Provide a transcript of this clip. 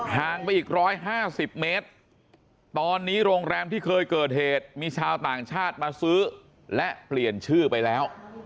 ห่างไปอีก๑๕๐เมตรตอนนี้โรงแรมที่เคยเกิดเหตุมีชาวต่างชาติมาซื้อและเปลี่ยนชื่อไปแล้ว